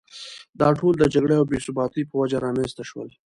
دا ټول د جګړې او بې ثباتۍ په وجه رامېنځته شول.